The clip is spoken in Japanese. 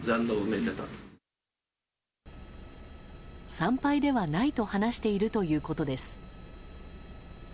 産廃ではないと話しているということです。